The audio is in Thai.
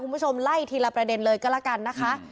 คุณผู้ชมไล่ทีละประเด็นเลยก็แล้วกันนะคะ